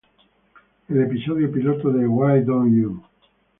El episodio piloto de "Why Don't You?